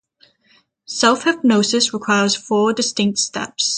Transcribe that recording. Self-hypnosis requires four distinct steps.